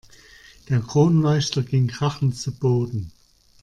Der Kronleuchter ging krachend zu Boden.